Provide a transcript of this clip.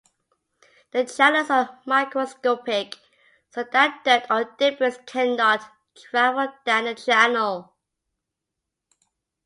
The channels are microscopic so that dirt or debris cannot travel down the channel.